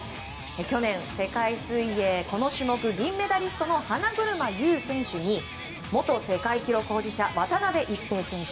去年、世界水泳この種目、銀メダリストの花車優選手に元世界記録保持者渡辺一平選手。